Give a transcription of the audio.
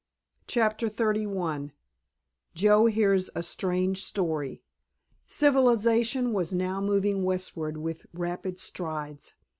*CHAPTER XXXI* *JOE HEARS A STRANGE STORY* Civilization was now moving westward with rapid strides.